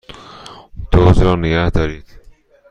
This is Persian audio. دزد را نگهدارید!